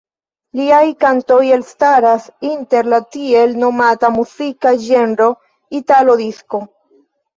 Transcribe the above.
Liaj kantoj elstaras inter la tiel nomata muzika ĝenro italo-disko.